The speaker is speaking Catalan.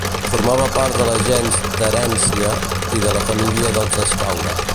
Formava part de la gens Terència, i de la família dels Escaure.